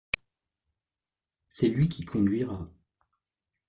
C’est lui qui conduira.